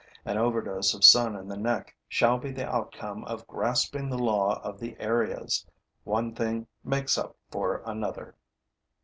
An overdose of sun in the neck shall be the outcome of grasping the law of the areas. One thing makes up for another.